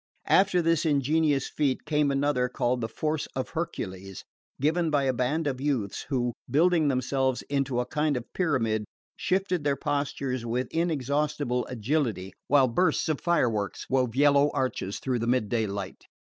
After this ingenious feat came another called the "Force of Hercules," given by a band of youths who, building themselves into a kind of pyramid, shifted their postures with inexhaustible agility, while bursts of fireworks wove yellow arches through the midday light.